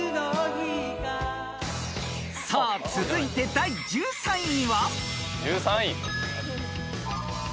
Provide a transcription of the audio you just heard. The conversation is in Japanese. ［さあ続いて第１３位は］